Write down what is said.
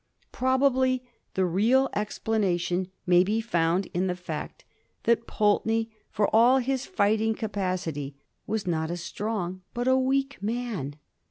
Probably the real explanation may be found in the fact that Pulteney, for all his fight ing capacity, was not a strong but a weak man.